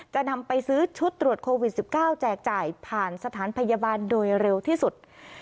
จะนำไปซื้อชุดตรวจโควิด๑๙แจกจ่ายผ่านสถานพยาบาลโดยเร็วที่สุด